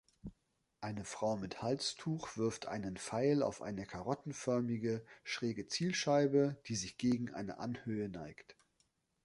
Eine Frau mit Halstuch wirft einen Pfeil auf eine karottenförmige schräge Zielscheibe, die sich gegen eine Anhöhe neigt.